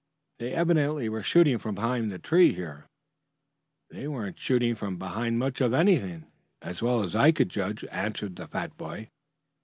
They evidently were shooting from behind the tree here." "They weren't shooting from behind much of anything, as well as I could judge," answered the fat boy.